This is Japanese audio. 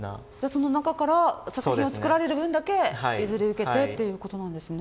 その中から作品を作られる分だけ譲り受けてってことなんですね。